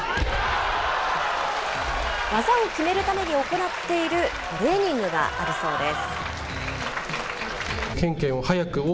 技を決めるために行っているトレーニングがあるそうです。